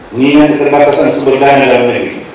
ini yang terbatasan sepertanya dalam negeri